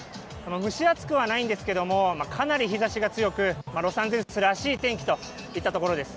蒸し暑くはないんですけれども、かなり日ざしが強く、ロサンゼルスらしい天気といったところです。